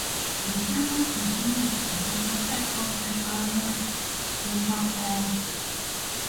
The theme of the series is the effects of the Iran–Iraq War.